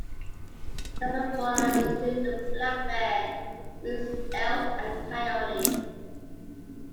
Common fauna include the black bear, moose, elk, and coyote.